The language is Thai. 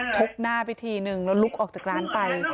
กหน้าไปทีนึงแล้วลุกออกจากร้านไป